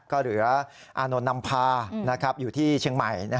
ก็เหลืออานนท์นำพาอยู่ที่เชียงใหม่